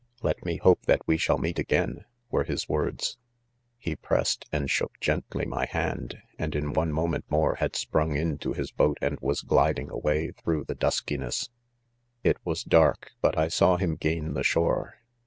"Let me hope that we shall "meet again," were his word's 5 he pressed, and shook gently my hand, and in one moment more '"had sprung into his boat and was gliding away through the duski ness; ■ 'Itwas^dark/but'I saw him gain the shore